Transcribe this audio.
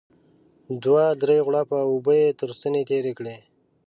دوه درې غوړپه اوبه يې تر ستوني تېرې کړې.